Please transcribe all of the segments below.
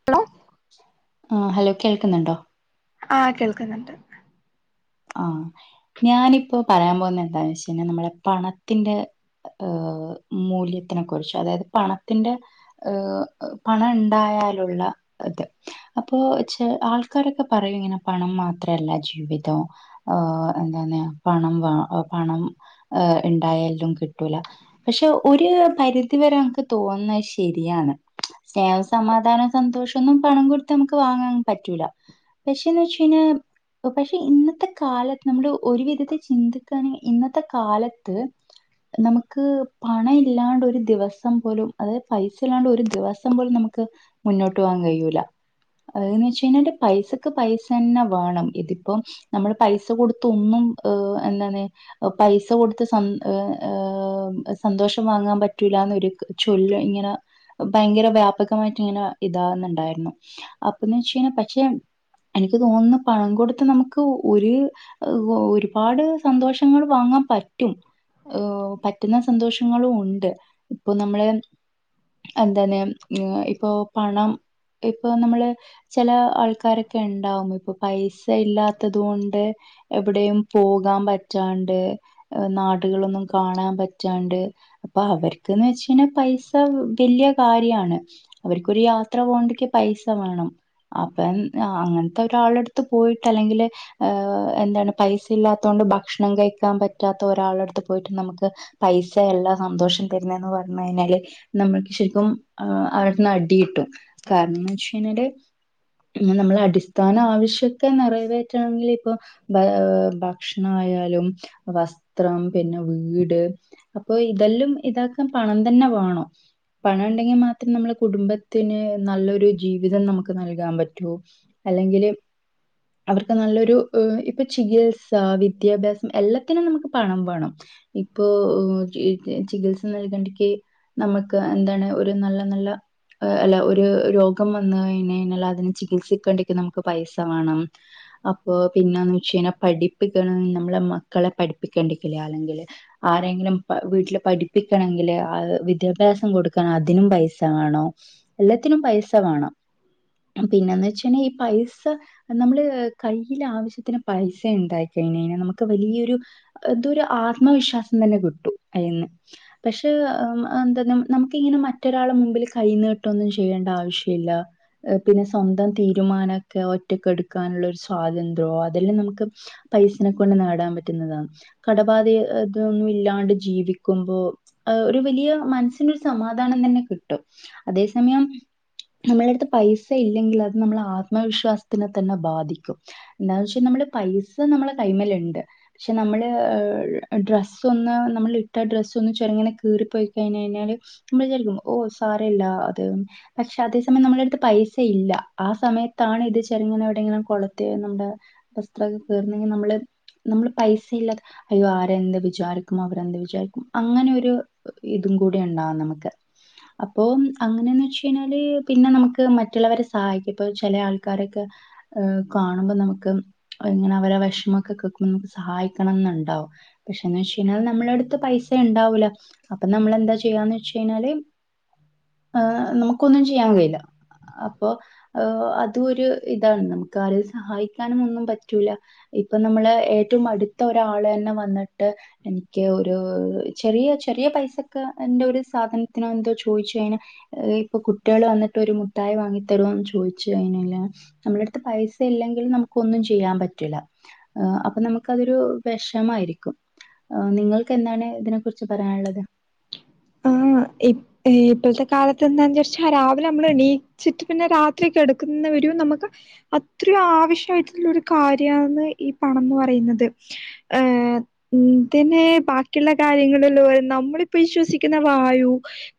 [unintelligible] ആഹ് hello കേൾക്കുന്നുണ്ടോ ആഹ് കേൾക്കുന്നുണ്ട് ആഹ് ഞാനിപ്പോ പറയാൻ പോകുന്ന എന്താന്ന് വെച്ച കഴിഞ്ഞാൽ നമ്മളെ പണത്തിന്റെ ഏഹ് മൂല്യത്തിനെ കുറിച്ച് അതായത് പണത്തിൻ്റെ ഏഹ് പണം ഉണ്ടായാലുള്ള അത് അപ്പൊ ചെ ആൾക്കാരൊക്കെ പറയും ഇങ്ങനെ പണം മാത്രല്ല ജീവിതം ആഹ് എന്താണ് പണം വ പണം ഏഹ് ഇണ്ടായലും കിട്ടൂല പക്ഷെ ഒരു പരിധി വരെ നമക്ക് തോന്നുന്നത് ശരിയാണ് സ്നേഹം സമാധാനം സന്തോഷമൊന്നും പണം കൊടുത്ത് നമുക്ക് വാങ്ങാൻ പറ്റൂല പക്ഷേന്ന് വെച്ച കഴിഞ്ഞാ പക്ഷെ ഇന്ന് കാലത്ത് നമ്മള് ഒരുവിധത്തെ ചിന്തിക്കാണെ ഇന്നത്തെ കാലത്ത് നമുക്ക് പണം ഇല്ലാണ്ട് ഒരു ദിവസം പോലും അതായത് പൈസ ഇല്ലാണ്ട് ഒരു ദിവസം പോലും നമുക്ക് മുന്നോട്ട് പോവാൻ കഴിയൂല അതെന്ന് വെച്ച കഴിഞ്ഞാ പൈസക്ക് പൈസന്നെ വേണം ഇതിപ്പം നമ്മൾ പൈസ കൊടുത്ത ഒന്നും ഹ് എന്താണ് പൈസ കൊടുത്ത് സന്തോ ഏഹ് ഏഹ് സന്തോഷം വാങ്ങാൻ പറ്റൂല്ലന്നരു ചൊല്ല് ഇങ്ങനെ ഭയങ്കര വ്യാപകമായിട്ട് ഇങ്ങനെ ഇതാന്നുണ്ടായിരുന്നു അപ്പന്ന് വെച്ച കഴിഞ്ഞാ പക്ഷെ എനിക്ക് തോന്നുന്നു പണം കൊടുത്ത് നമുക്ക് ഒരു ഒരുപാട് സന്തോഷങ്ങൾ വാങ്ങാൻ പറ്റും ഏഹ് പറ്റുന്ന സന്തോഷങ്ങളും ഉണ്ട് ഇപ്പൊ നമ്മളെ എന്തന്നെ ഇപ്പൊ പണം ഇപ്പൊ നമ്മള് ചെല ആൾക്കാരൊക്കെ ഇണ്ടാവും ഇപ്പൊ പൈസ ഇല്ലാത്തത് കൊണ്ട് എവിടെയും പോകാൻ പറ്റാണ്ട് നാടുകളൊന്നും കാണാൻ പറ്റാണ്ട് അപ്പൊ അവര്ക്ക്ന്ന് വെച്ച് കഴിഞ്ഞാ പൈസ വല്ല്യ കാര്യാണ് അവര്ക്കൊരു യാത്ര പോകണ്ടക്ക് പൈസ വാണം അപ്പം ആഹ് അങ്ങനത്തെ ഒരാളടുത്ത് പോയിട്ട് അല്ലെങ്കില് ഏഹ് എന്താണ് പൈസ ഇല്ലാത്തൊണ്ട് ഭക്ഷണം കഴിക്കാൻ പറ്റാത്ത ഒരാളടുത്ത് പോയിട്ട് നമുക്ക് പൈസ അല്ല സന്തോഷം തരുന്നന്ന് പറഞ്ഞ് കഴിഞ്ഞാല് നമ്മൾക്ക് ശരിക്കും അവരട്ത്ത്ന്ന് അടി കിട്ടും കാരണംന്ന് വച്ച് കഴിഞ്ഞാല് പിന്നെ നമ്മള് അടിസ്ഥാന ആവശ്യത്തെ നിറവേ റ്റണെങ്കിലിപ്പൊ ന്താ ഭക്ഷണയാലും വസ്ത്രം പിന്നെ വീട് അപ്പൊ ഇതെല്ലാം ഇതാകാൻ പണം തന്നെ വേണം പണം ഉണ്ടെങ്കി മാത്രം നമ്മള് കുടുംബത്തിന് നല്ലൊരു ജീവിതം നമുക്ക് നൽകാൻ പറ്റൂ അല്ലെങ്കില് അവർക്ക് നല്ലൊരു ഇപ്പൊ ചികിത്സ വിദ്യാഭ്യാസം എല്ലാത്തിനും നമുക്ക് പണം വേണം ഇപ്പോചി കി ചികിത്സ നൽകണ്ടക്ക് നമ ക്ക് എന്താണ് ഒരു നല്ല നല്ല ഏഹ് അല്ല ഒരു രോഗം വന്ന് കഴിഞ്ഞ് കഴിഞ്ഞാൽ അതിന് ചികിത്സിക്കേണ്ടക്കെ നമുക്ക് പൈസ വേണം അപ്പൊ പിന്നെന്ന് വച്ച് കഴിഞ്ഞാ പഠിപ്പിക്കണം നമ്മളെ മക്കളെ പഠിപ്പിക്കേണ്ടിരിക്കില്ലേ അല്ലെങ്കില് ആരെയെങ്കിലും പ വീട്ടില് പഠിപ്പിക്കണെങ്കില് ആ വിദ്യാഭ്യാസം കൊടുക്കണെ അതിനും പൈസ വേണം എല്ലാത്തിനും പൈസ വേണം പിന്നെന്ന് വച്ച് കഴിഞ്ഞാ ഈ പൈസ നമ്മള് കയ്യില് ആവശ്യത്തിന് പൈസ ഉണ്ടായി കഴിഞ്ഞ് കഴിഞ്ഞാ നമുക്ക് വല്ല്യൊരു ഇതൊരു ആത്മവിശ്വാസം തന്നെ കിട്ടും അയീന്ന് പക്ഷെ ഏ എന്താ നമു നമുക്ക് ഇങ്ങനെ മറ്റൊരാളുടെ മുമ്പിൽ കൈ നീട്ടുവൊന്നും ചെയ്യേണ്ട ആവശ്യവില്ല പിന്നെ സ്വന്തം തീരുമാനവൊക്കെ ഒ റ്റക്ക് എടുക്കാനുള്ള ഒരു സ്വാതന്ത്ര്യവോ അതെല്ലാം നമുക്ക് പൈസനെ കൊണ്ട് നേടാൻ പറ്റുന്നതാണ് കടബാധ്യ ഇതൊന്നും ഇല്ലാണ്ട് ജീവിക്കുമ്പോ ഏ ഒരു വലിയ മനസ്സിന് ഒരു സമാധാനം തന്നെ കിട്ടും അതേ സമയം നമ്മളടുത്ത് പൈസ ഇല്ലെങ്കിൽ അത് നമ്മളെ ആത്മവിശ്വാസത്തിനെ തന്നെ ബാധിക്കും എന്താന്ന് വെച്ചാ നമ്മള് പൈസ നമ്മടെ കൈമേല് ഉണ്ട് പക്ഷെ നമ്മള് ഡ്രസ്സ് ഒന്ന് നമ്മളിട്ട ഡ്രസ്സ് ഒന്ന് ചെരുങ്ങനെ കീറിപ്പോയി കഴിഞ്ഞ് കഴിഞ്ഞാല് നമ്മള് വിചാരിക്കും ഓഹ് സാരവില്ലാ അത് പക്ഷെ അതേ സമയം നമ്മളടുത്ത് പൈസ ഇല്ല ആ സമയത്താണ് ഇത് ചെറുങ്ങനെ എവിടെയെങ്കിലും കൊളുത്തി നമ്മുടെ വസ്ത്രവൊക്കെ കീറുന്നെങ്കി നമ്മള് നമ്മള് പൈസ ഇല്ലാതെ അയ്യോ ആരെന്ത് വിചാരിക്കും അവരെന്ത് വിചാരിക്കും അങ്ങനെ ഒരു ഇതും കൂടി ഉണ്ടാവും നമുക്ക് അപ്പൊ അങ്ങനെയെന്ന് വച്ച് കഴിഞ്ഞാല് പിന്നെ നമുക്ക് മറ്റുള്ളവരെ സഹായിക്കും ഇപ്പ ചെല ആൾക്കാര് ഒക്കെ കാണുമ്പൊ നമുക്ക് അങ്ങനെ അവരുടെ വെഷമമൊക്കെ കേക്കുമ്പൊ നമുക്ക് സഹായിക്കണം എന്നുണ്ടാവും പക്ഷേന്ന് വച്ച് കഴിഞ്ഞാൽ നമ്മളടുത്ത് പൈസ ഇണ്ടാവൂല അപ്പ നമ്മളെന്താ ചെയ്യാന്ന് വെച്ച് കഴിഞ്ഞാല് ഏഹ് നമ്മുക്കൊന്നും ചെയ്യാൻ കഴിയില്ല അപ്പോ ഓഹ് അതും ഒരു ഇതാണ് നമുക്ക് ആരെയും സഹായിക്കാനും ഒന്നും പറ്റൂല ഇപ്പൊ നമ്മള് ഏ റ്റവും അടുത്ത ഒരാള് തന്നെ വന്നിട്ട് എനിക്ക് ഒരു ചെറിയ ചെറിയ പൈസ ക്ക്‌ എന്റെ ഒരു സാധനത്തിനോ എന്തോ ചോയിച്ച് കഴിഞ്ഞാ ഏഹ് ഇപ്പൊ കുട്ടിയാള് വന്നിട്ട് ഒരു മുട്ടായി വാങ്ങി തരുവോന്ന് ചോദിച്ച് കഴിഞ്ഞ് കഴിഞ്ഞാൽ നമ്മടെ അടുത്ത് പൈസ ഇല്ലെങ്കിൽ നമുക്കൊന്നും ചെയ്യാൻ പറ്റൂല അഹ് അപ്പൊ നമുക്ക് അതൊരു വെഷമായിരിക്കും ഏഹ് നിങ്ങൾക്കെന്നാണ് ഇതിനെ കുറിച്ച് പറയാനുള്ളത് ആഹ് ഇ ഇപ്പഴത്തെ കാലത്ത് എന്താന്ന് വെച്ചാ രാവിലെ നമ്മള് എണീ ച്ചിട്ട് പിന്നെ രാത്രി കെടക്കുന്നവരയും നമുക്ക് അത്രയും ആവശ്യവായിട്ടുള്ള ഒരു കാര്യാന്ന് ഈ പണം എന്ന് പറയുന്നത് ഏഹ് എന്തിന് ബാക്കിയുള്ള കാര്യങ്ങളല്ലോ നമ്മളിപ്പോ വിശ്വസി ക്കുന്ന വായു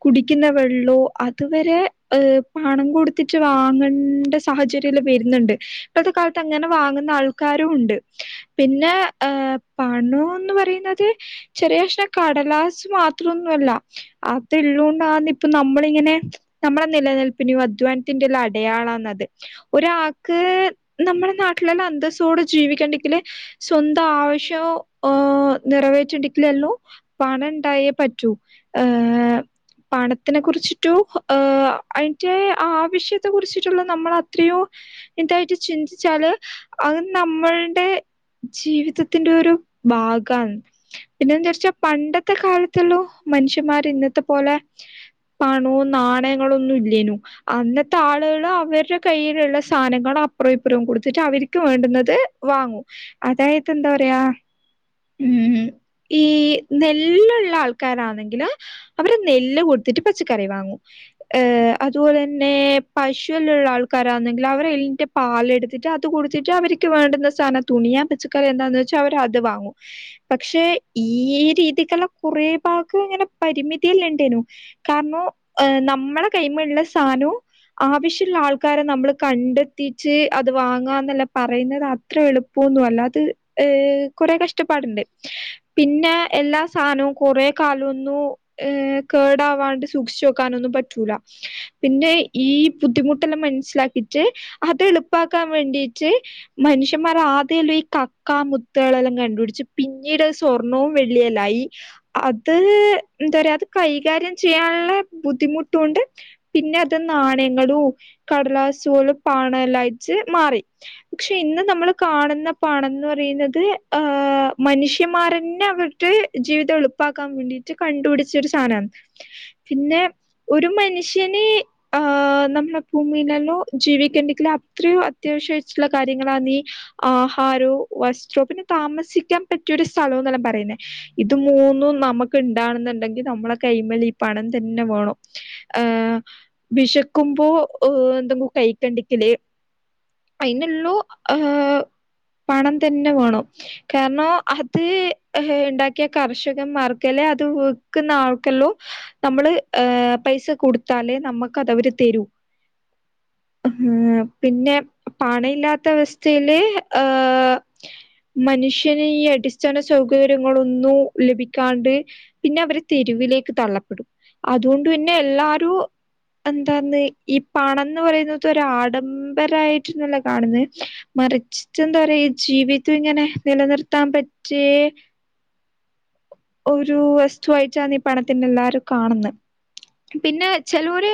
കുടിക്കുന്ന വെള്ളവും അതുവരെ ഏഹ് പണം കൊടുത്തിട്ട് വാങ്ങണ്ട സാഹചര്യങ്ങള് വരുന്നുണ്ട് ഇപ്പത്തെ കാലത്ത് അങ്ങനെ വാങ്ങുന്ന ആൾക്കാരും ഉണ്ട് പിന്നെ ഏഹ് പണോന്ന് പറയുന്നത് ചെറിയ കഷ്ണം കടലാസ്സ് മാത്രംന്നുല്ല അത് ഉള്ളോണ്ടാണിപ്പൊ നമ്മളിങ്ങനെ നമ്മുടെ നിലനിൽപ്പിനും അധ്വാനത്തിന്റെള്ള അടയാളാണത് ഒരാക്ക് നമ്മുടെ നാട്ടിലെന്നെ അന്തസ്സോട് ജീവിക്കണെങ്കില് സ്വന്തം ആവശ്യം ആഹ് നിറവേച്ചിണ്ടരിക്കില്ലല്ലോ പണ ണ്ടായേ പറ്റൂ ഏഹ് [inaudible] പണത്തിനെ കുറിച്ചിട്ടു ആഹ് അയിന്റെ ആവശ്യത്തെ കുറിച്ചിട്ടുള്ള നമ്മള് എത്രയോ ഇതായിട്ട് ചിന്തിച്ചാല് അത് നമ്മളുടെ ജീവിതത്തിന്റെ ഒരു ഭാഗാണ് പിന്നെന്താ വെച്ചാ പണ്ടത്തെ കാലത്തല്ലോ മനുഷ്യന്മാര് ഇന്നത്തെ പോലെ പണോ നാണയങ്ങളൊന്നും ഇല്ലേ നു അന്നത്തെ ആളുകൾ അവരുടെ കയ്യിലുള്ള സാനങ്ങൾ അപ്പുറം ഇപ്പുറവും കൊടുത്തിട്ട് അവർക്ക് വേണ്ടുന്നത് വാങ്ങൂ അതായത് എന്താ പറയാ ഉം [inaudible] ഈ നെല്ലുള്ള ആൾക്കാരാണെങ്കില് അവര് നെല്ല് കൊടുത്തിട്ട് പച്ചക്കറി വാങ്ങും ഏഹ് അതുപോലെന്നെ പശുള്ള ആൾക്കാരാണെങ്കിൽ അവരെതിന്റെ പാലെടുത്തിട്ട് അത് കൊടുത്തിട്ട് അവർക്ക് വേണ്ടുന്ന സാധം തുണിയാ പച്ചക്കറി എന്താന്ന് വെച്ചാ അവര് അത് വാങ്ങും പക്ഷെ ഈ രീതിക്കുള്ള കുറെ ഭാഗം ഇങ്ങനെ പരിമിതിയല്ല ഉണ്ടേനു കാരണം നമ്മളെ കൈമ ഉള്ള സാനോ ആവശ്യള്ള ആൾക്കാരെ നമ്മള് കണ്ടെത്തിട്ട് അത് വാങ്ങാ ന്നല്ല പറയുന്നതാണ് അത്ര എളുപ്പന്നും അല്ല അത് ഏഹ് കുറെ കഷ്ടപ്പാടുണ്ട് പിന്നെ എല്ലാ സാനവും കൊറെ കാലൊന്നും ഏഹ് കേടാവാണ്ട് സൂക്ഷിച്ച്ക്കാനൊന്നും പറ്റൂല പിന്നെ ഈ ബുദ്ധിമുട്ടെല്ലാം മനസ്സിലാക്കിട്ട് അത് എളുപ്പാക്കാൻ വേണ്ടീട്ട് മനുഷ്യമാർ ആദ്യേല്ലോ ഈ കക്ക മുത്തകളെല്ലാം കണ്ടുപിടിച് പിന്നീടത് സ്വർണ്ണവും വെള്ളിയെല്ലായി അത് എന്താ പറയാ അത് കൈകാര്യം ചെയ്യാനുള്ള ബുദ്ധിമുട്ടൊണ്ട് പിന്നെ അത് നാണയങ്ങളും കടലാസലും പണല്ലായിട്ട് മാറി പക്ഷെ ഇന്ന് നമ്മൾ കാണുന്ന പണംന്ന് പറയുന്നത് ആഹ് മനുഷ്യന്മാരന്നെ അവരുടെ ജീവിതം എളുപ്പാക്കാൻ വേണ്ടിട്ട് കണ്ടുപിടിച്ചരു സാനാണ് പിന്നെ ഒരു മനുഷ്യന് ആഹ് നമ്മളെ ഭൂമിയിലല്ലോ ജീവിക്കേണ്ടെങ്കിലിൽ അത്രോ അത്യാവശ്യട്ടുള്ള കാര്യങ്ങളാണി ആഹാരോ വസ്ത്രോ പിന്നെ താമസിക്കാൻ പറ്റിയരു സ്ഥലന്നെല്ലാം പറയുന്നേ ഇത് മൂന്നും നമുക്ക് ഇണ്ടാണെന്നുണ്ടെങ്കിൽ നമ്മളെ കൈമൽ ഈ പണം തന്നെ വേണം ആഹ് വിശക്കുമ്പോ എന്തെങ്കും കഴിക്കണ്ടിങ്കലേ അയിനുള്ളൂ ഏഹ് പണം തന്നെ വേണം കാരണം അത് ഉണ്ടാക്കിയ കർഷക മർക്കല്ലോ അത് വിക്കുന്ന ആൾക്കല്ലോ നമ്മള് പൈസ കൊടുത്താലേ നമുക്ക്തവര് തരൂ ആഹ് പിന്നെ പണ ഇല്ലാത്ത അവസ്ഥയില് ആഹ് മനുഷ്യന് അടിസ്ഥാന സൗകര്യങ്ങളൊന്നും ലഭിക്കാണ്ട് പിന്നെയവര് തെരുവിലേക്കു തള്ളപ്പെടും അതുകൊണ്ടുതന്നെ എല്ലാരും എന്താന്ന് ഈ പണംന്നു പറയുന്നതൊരു ആഡംബരമായിട്ടന്നെല്ലെ കാണുന്നത് മരിച്ചിട്ടെന്താ പറയാ ഈ ജീവിതം ഇങ്ങനെ നിലനിർത്താൻ പറ്റിയെ ഒരു വസ്തുവായിട്ടാണീ പണത്തിനെ എല്ലാരും കാണുന്നേ പിന്നെ ചെലോര്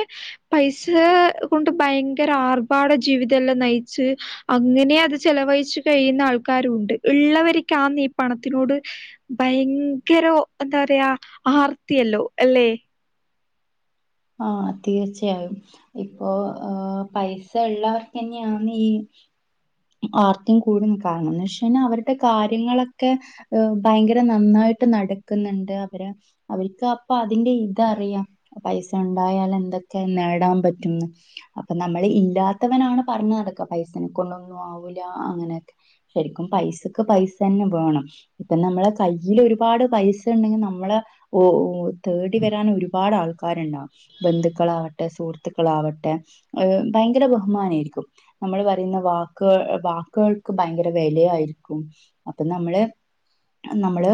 പൈസാ കൊണ്ടു ഭയങ്കര ആർഭാട ജീവിതെല്ലാം നയിച്ച് അങ്ങനെ അതു ചെലവഴിച്ചു കഴിയുന്ന ആൾക്കാരുണ്ട് ഇള്ളവർക്കാന്നീ പണത്തിനോട് ഭയങ്കരൊ എന്താ പറയാ ആർത്തിയല്ലോ അല്ലേ ആഹ് തീർച്ചയായും ഇപ്പോ ഏഹ് പൈസായുള്ളവർക്ക് തന്നെയാണീ ആർത്തിം കൂടും കാരണംന്ന് വെച്ച്കയിഞ്ഞാ അവരുടെ കാര്യങ്ങളൊക്കെ ഏഹ് ഭയങ്കര നന്നായിട്ടു നടക്കുന്നുണ്ട് അവര അവർക്കപ്പോ അതിന്റെ ഇതറിയാം പൈസാ ഉണ്ടായാലെന്തൊക്കെ നേടാൻ പറ്റുംന്ന് അപ്പൊ നമ്മള് ഇല്ലാത്തവനാണു പറഞ്ഞുനടക്ക പൈസനെ കൊണ്ടൊന്നും ആവൂലാ അങ്ങനെയൊക്കെ ശരിക്കും പൈസക്ക് പൈസന്നെ വേണം പിന്നെ നമ്മളെ കൈയ്യിലൊരുപാടു പൈസ ഇണ്ടെങ്കിൽ നമ്മള് ഓഹ് ഓഹ് തേടി വരാൻ ഒരുപാട് ആൾക്കാരുണ്ടാവും ബന്ധുക്കളാവട്ടെ സുഹൃത്തുക്കളാവട്ടെ ഏഹ് ഭയങ്കര ബഹുമാനേരിക്കും നമ്മളു പറയുന്ന വാ ക്ക് വാക്കുകൾക്കു ഭയങ്കര വിലയായിരിക്കും അപ്പൊ നമ്മള് നമ്മള്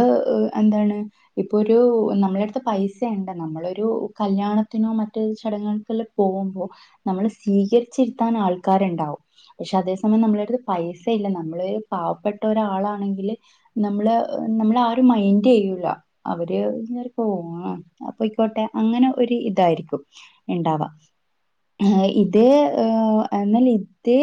എന്താണ് ഇപ്പൊ ഒരു നമ്മടെ എട്ത്ത് പൈസ എണ്ട് നമ്മളൊരു കല്യാണത്തിനോ മറ്റോ ചടങ്ങുകൾക്കെല്ലാ പോവ്മ്പോ നമ്മളെ സ്വീകരിച്ചിരുത്താൻ ആൾക്കാരുണ്ടാവും പക്ഷെ അതേ സ സമയം നമ്മടെ എട്ത്ത് പൈസ ഇല്ല നമ്മള് പാവപ്പെട്ട ഒരാളാണെങ്കില് നമ്മള് നമ്മളെ ആരും മൈൻഡെയ്യൂല അവര് [unintelligible] പോവും ആഹ് അത്‌ പൊയ്യിക്കോട്ടെ അങ്ങനെ ഒരിതായിരിക്കും ഇണ്ടാവ ഇതേ എന്നാൽ ഇതേ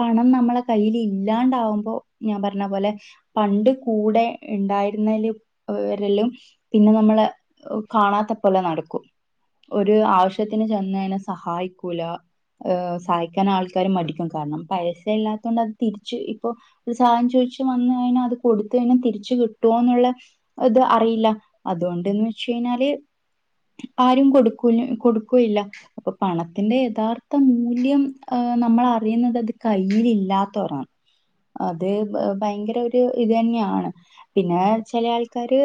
പണം നമ്മളെ കയ്യിലില്ലാണ്ടാവ്മ്പോ ഞാൻ പറഞ്ഞ പോലെ പണ്ട് കൂടെ ഉണ്ടായിരുന്നേല് അവരെല്ലും പിന്നെ നമ്മളെ കാണാത്തെ പോലെ നടക്കും ഒരാവശ്യത്തിനു ചെന്നെയിനാ സഹായിക്കൂല സഹായിക്കാൻ ആൾക്കാരും മടിക്കും കാരണം പൈസായില്ലാത്തോണ്ടത് തിരിച്ച് ഇപ്പൊ ഒരു സഹായം ചോദിച്ചു വന്നു കഴിഞ്ഞാ അതു കൊടുത്തു കഴിഞ്ഞാ തിരിച്ചു കിട്ടോന്നുള്ള അത്‌ അറിയില്ല അതോണ്ടെന്നു വെച്ചു കഴിഞ്ഞാല് ആരും കൊടുക്കൂ കൊടുക്കും ഇല്ല അപ്പൊ പണത്തിന്റെ യഥാർത്ഥ മൂല്യം ആഹ് നമ്മളറിയുന്നതത് കൈയ്യിലില്ലാത്തോരാണ് അത് ഭയങ്കര ഒര് ഒര് ഇതെന്നെയാണ് പിന്നെ ചെലെ ആൾക്കാര്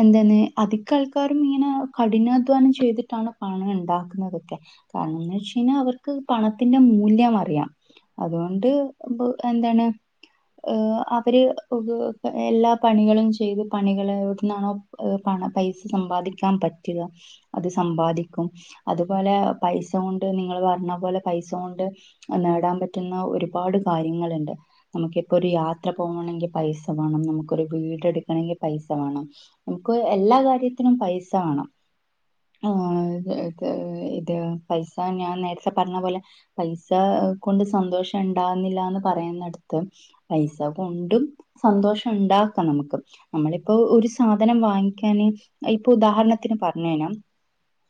എന്തെന്ന് അധികം ആൾക്കാരും ഇങ്ങനെ കഠിനാധ്വാനം ചെയ്തിട്ടാണ് പണം ഇണ്ടാക്കുന്നതൊക്കെ കാരണം എന്നു വെച്ചുകഴിഞ്ഞാലവർക്കു പണത്തിന്റെ മൂല്യമറിയാം അറിയാം അതു കൊണ്ട് എന്താണ് ഏഹ് അവര് എല്ലാ പണികളും ചെയ്തു പണികള് എവിടുന്നാണോ ഏഹ് പണം പൈസ സമ്പാദിക്കാൻ പറ്റ്ക അതു സമ്പാദിക്കും അതുപോലെ പൈസ കൊണ്ട് നിങ്ങൾ പറഞ്ഞ പോലെ പൈസ കൊണ്ട് നേടാൻ പറ്റുന്ന ഒരുപാടു കാര്യങ്ങളുണ്ട് നമുക്കിപ്പമൊരു യാത്ര പോകണെങ്കി പൈസ മാണം. നമുക്കൊരു വീടെടുക്കണെങ്കി പൈസവേണം നമുക്ക് എല്ലാ കാര്യത്തിനും പൈസാ വേണം ആഹ് ഇത് യിത് ഇത് പൈസ ഞാൻ നേരത്തെ പർഞ്ഞ പോലെ പൈസ് - സ കൊണ്ട് സന്തോഷണ്ടാവുന്നില്ല എന്ന് പറയുന്നടത്ത് പൈസ കൊണ്ടും... സന്തോഷണ്ടാക്ക നമുക്ക്..... നമ്മളിപ്പൊ ഒരു സാധനം വാങ്ങിക്കാന് ഇപ്പൊ ഉദാഹരണത്തിന് പർഞ്ഞ് രാ....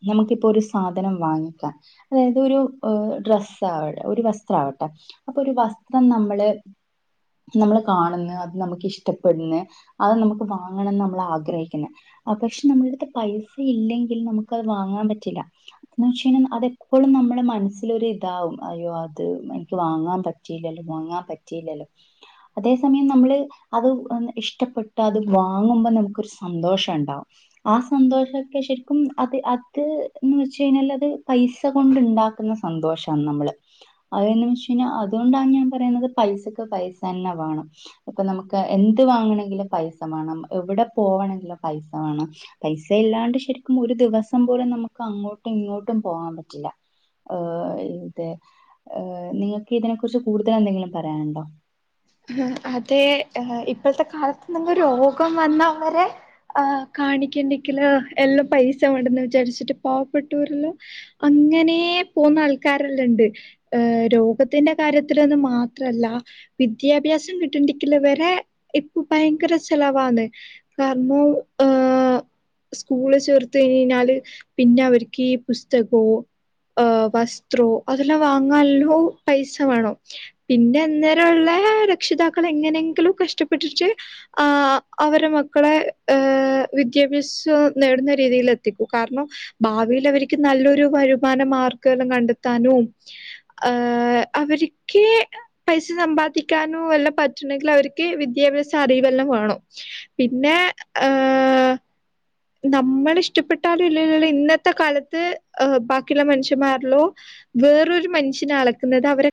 നമുക്കിപ്പോ ഒരു സാധനം വാങ്ങിക്കാം അതായത് ഒരു ഡ്രസ്... സ്സാവ ഒരു വസ്ത്രാവട്ടെ അപ്പൊരു വസ്ത്രം നമ്മള്.... നമ്മള് കാണുന്ന് അത് നമ്മക്കിഷ്ടപ്പെടുന്ന്.... അത് നമുക്ക് വാങ്ങണംന്ന് നമ്മളാഗ്രഹിക്കുന്ന്... അ പക്ഷെ നമ്മുടെ അടുത്ത് പൈസ ഇല്ലെങ്കിൽ നമുക്കത് വാങ്ങാൻ പറ്റില്ല..... എന്ന് വെച്ച് കഴ്ഞാ അതെപ്പളും നമ്മളെ മൻസ്സിലൊര് താവും അയ്യോ അത് എനിക്ക് വാങ്ങാൻ പറ്റിയില്ലല്ലോ വാങ്ങാൻ പറ്റിയില്ലല്ലോ...... അതേ സമയം നമ്മള്...., അത് ഇഷ്ടപ്പെട്ടത് വാങ്ങുമ്പോ നമുക്കൊരുസന്തോഷണ്ടാവും. ആ സന്തോഷൊക്കെ ശരിക്കും അത് അത്‌ന്ന് വെച്ച് കഴിഞ്ഞാലത് പൈസ കൊണ്ട്ണ്ടാക്..... ക്കുന്നസന്തോഷാണ് നമ്മള്, അതന്ന് വെച്ച് കഴിഞ്ഞ അതുകൊണ്ടാണ് ഞാൻ പറയുന്നത് പൈസക് ക്ക്‌ പൈസന്നെ വേണം.... ഇപ്പൊ നമുക്ക് എന്ത് വാങ്ങണെങ്കിലും പൈസ മാണം. എവിടെ പോവണെങ്കിലും പൈസ വേണം പൈസ ഇല്ലാണ്ട് ശരിക്കും ഒരു ദിവസ് സം പോലും നമുക്കങ്ങോട്ടും ഇങ്ങോട്ടും പോകാൻ പറ്റില്ല ഏഹ് അതെ ഏഹ് നിങ്ങക്ക് ഇതിനെ കുറിച്ച് കൂടുതലെ ന്തെങ്കിലും പറയാനുണ്ടോ..... എ ഹെ അതെ ഇപ്പൾത്തെ കാലത്ത് നമുക്ക് രോഗം വന്നാ വരെ. ആ കാണിക്കണ്ടെങ്കില് എല്ലാം പൈസ മണ്ടന്ന് വിചാരിച്ചിട്ട് പാവപ്പെട്ടോരെല്ലം.. അങ്ങനേ പോന്ന ആൾക്കാരെല്ലണ്ട് ഏഹ് രോഗത്തിന്റെ കാര്യത്തിലൊന്ന് മാത്രല്ല വിദ്യാഭ്യാസം കിട്ടണ്ടിക്കില് വരെ ഇപ്പൊ ഭയങ്കര ചെലവാണ്... കാരണം ഏഹ്..... സ്കൂളി ചേർത്ത് കയ്ഞയ്ഞ്ഞാല് പിന്നവര്ക്കീ പുസ്തകോ - ഏഹ് വസ്ത്രോ അതെല്ലാം വാങ്ങാല്ലോ പൈസ വേണം പിന്നെന്നെ - [unintelligible] രക്ഷിതാക്കളെങ്ങനെയെങ്കിലും കഷ്ടപ്പെട്ടിട്ട് ആഹ് അവരെ മക്കളെ ഏഹ് വിദ്യാഭ്യാസം നേടുന്ന രീതിൽ എത്തിക്കും കാർണം.... ഭാവിയിലവർക്ക് നല്ലൊരു വരുമാന മാർഗ്ഗവെല്ലം കണ്ടെത്താനും ഏഹ് അവരിക്ക്.... സമ്പാദിക്കാനും എല്ലാം പറ്റണെങ്കിലവർക്ക് വിദ്യാഭ്യാസ അറിവെല്ലാം വേണം. പിന്നെ ഏഹ് നമ്മളിഷ്ടപ്പെട്ടാലും ഇല്ലേലുല്ലം ഇന്നത്തെ കാലത്ത് ബാക്കിള്ള മനുഷ്യമാരിലു..... വേറൊരു മനുഷ്യനെ അളക്ക്‌ന്നത് അവരെ